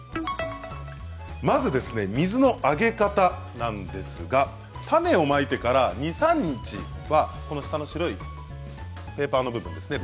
まず、水のあげ方なんですが種をまいてから、２、３日は下の白いペーパーの部分ですね